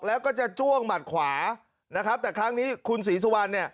แล้วก็จะจ้วงหมัดขวาแต่ครั้งนี้คุณศรีสุวรรณ